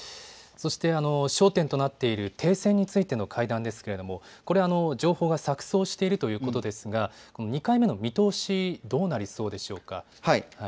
そして焦点となっている停戦についての会談ですが、情報が錯そうしているということですが２回目の見通しはどうなりそうでしょうか。